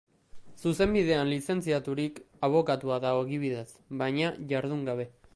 Zuzenbidean lizentziaturik, abokatua da ogibidez, baina jardun gabe.